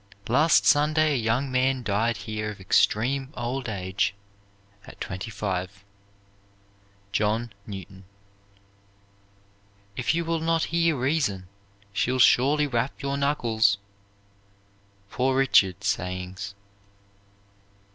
Last Sunday a young man died here of extreme old age at twenty five. JOHN NEWTON. If you will not hear Reason, she'll surely rap your knuckles. POOR RICHARD'S SAYINGS.